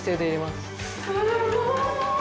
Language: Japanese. すごーい！